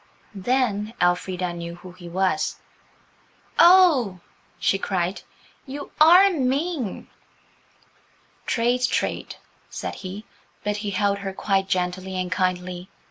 Then Elfrida knew who he was. "Oh," she cried, "you are mean!" "Trade's trade," said he, but he held her quite gently and kindly.